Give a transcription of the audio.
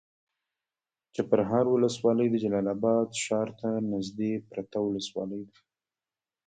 چپرهار ولسوالي د جلال اباد ښار ته نږدې پرته ولسوالي ده.